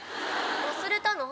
忘れたの？